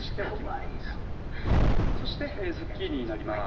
かわいいなそしてズッキーニになります